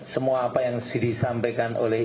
semua apa yang disampaikan oleh